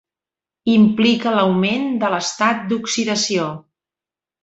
Implica l'augment de l'estat d'oxidació.